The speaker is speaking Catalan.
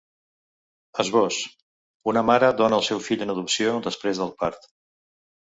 Esbós: Un mare dóna el seu fill en adopció després del part.